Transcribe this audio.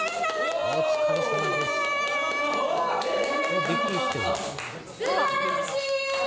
すばらしい！